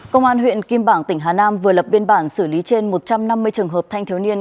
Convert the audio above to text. công an huyện kim bảng tỉnh hà nam vừa lập biên bản xử lý trên một trăm năm mươi trường hợp thanh thiếu niên